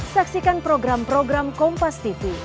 saksikan program program kompas tv